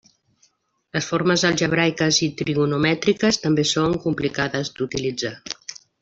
Les formes algebraiques i trigonomètriques també són complicades d'utilitzar.